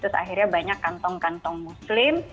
terus akhirnya banyak kantong kantong muslim